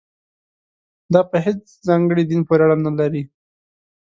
دا په هېڅ ځانګړي دین پورې اړه نه لري.